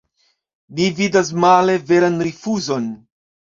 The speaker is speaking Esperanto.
Ni vidas male veran rifuzon.